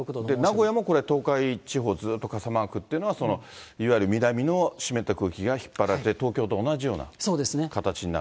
名古屋もこれ、東海地方、ずっと傘マークというのは、いわゆる南の湿った空気が引っ張られて、東京と同じような形になる。